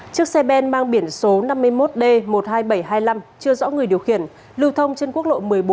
chiếc xe ben mang biển số năm mươi một d một mươi hai nghìn bảy trăm hai mươi năm chưa rõ người điều khiển lưu thông trên quốc lộ một mươi bốn